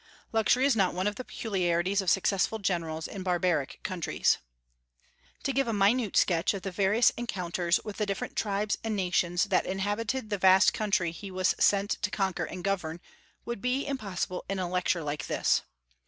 Luxury is not one of the peculiarities of successful generals in barbaric countries. To give a minute sketch of the various encounters with the different tribes and nations that inhabited the vast country he was sent to conquer and govern, would be impossible in a lecture like this.